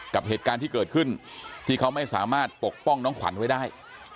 กับเหตุการณ์ที่เกิดขึ้นที่เขาไม่สามารถปกป้องน้องขวัญไว้ได้